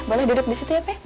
boleh duduk di situ ya pak